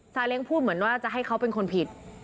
เลี้ยงพูดเหมือนว่าจะให้เขาเป็นคนผิด